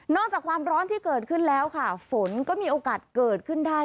จากความร้อนที่เกิดขึ้นแล้วค่ะฝนก็มีโอกาสเกิดขึ้นได้